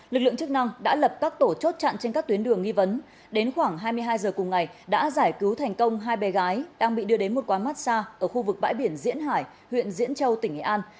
lực lượng chức năng đã lập các tổ chốt chặn trên các tuyến đường nghi vấn đến khoảng hai mươi hai giờ cùng ngày đã giải cứu thành công hai bé gái đang bị đưa đến một quán massage ở khu vực bãi biển diễn hải huyện diễn châu tỉnh nghệ an